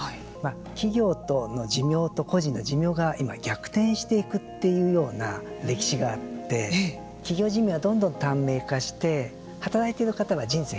企業の寿命と個人の寿命が今、逆転していくっていうような歴史があって、企業寿命はどんどん短命化して働いている方は人生